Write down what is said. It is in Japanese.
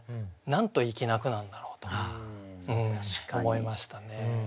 なんと粋な句なんだろうと思いましたね。